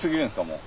もう。